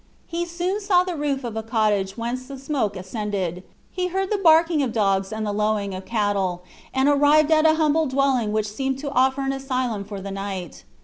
He soon saw the roof of a cottage whence the smoke ascended; he heard the barking of dogs and the lowing of cattle, and arrived at a humble dwelling which seemed to offer an asylum for the night.